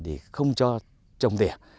để không cho trồng tỉa